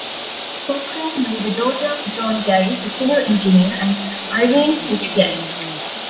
Cochrane was the daughter of John Garis, a civil engineer, and Irene Fitch Garis.